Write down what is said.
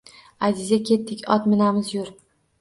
— Аziza, ketdik, ot minamiz, yur!